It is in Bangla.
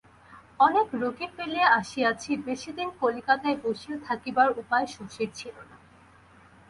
অনেক রোগী ফেলিয়া আসিয়াছে, বেশিদিন কলিকাতায় বসিয়া থাকিবার উপায় শশীর ছিল না।